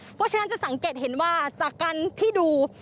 เพราะฉะนั้นจะสังเกตเห็นว่าจากการที่ดู